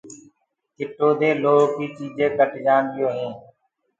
جنگو دي لوه ڪي چيجينٚ ڪس جآنيونٚ هينٚ۔